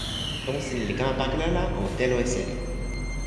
tomo sina li kama pakala la o telo e seli.